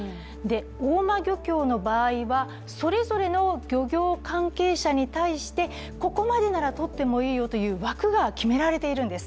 大間漁協の場合はそれぞれの漁業関係者に対してここまでならとってもいいよという枠が決められているんです。